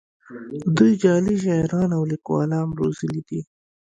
دوی جعلي شاعران او لیکوالان روزلي دي